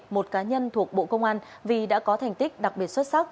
một cá nhân thuộc bộ công an vì đã có thành tích đặc biệt xuất sắc